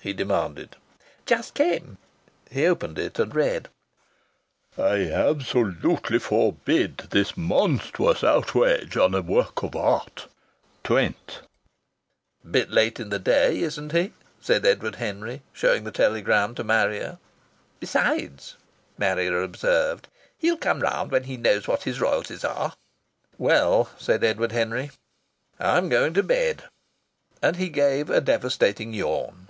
he demanded. "Just cam." He opened it and read: "I absolutely forbid this monstrous outrage on a work of art. TRENT." "Bit late in the day, isn't he?" said Edward Henry, showing the telegram to Marrier. "Besides," Marrier observed, "he'll come round when he knows what his royalties are." "Well," said Edward Henry, "I'm going to bed." And he gave a devastating yawn.